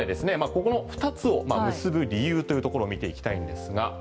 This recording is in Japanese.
ここの二つを結ぶ理由というところを見ていきたいんですが。